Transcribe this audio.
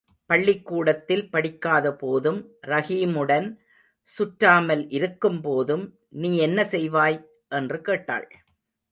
பள்ளிக் கூடத்தில் படிக்காதபோதும் ரஹீமுடன் சுற்றாமல் இருக்கும்போதும், நீ என்ன செய்வாய்? என்று கேட்டாள்.